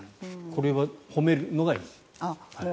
これは褒めるのがいい？